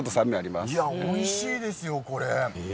おいしいですよ、これ。